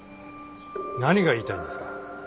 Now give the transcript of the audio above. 何が言いたいんですか？